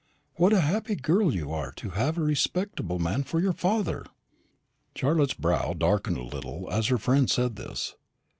What a happy girl you are, to have a respectable man for your father!" Charlotte's brow darkened a little as her friend said this.